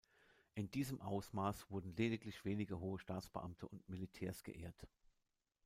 In diesem Ausmaß wurden lediglich wenige hohe Staatsbeamte und Militärs geehrt.